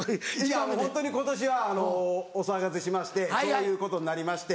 ホントに今年はお騒がせしましてそういうことになりまして。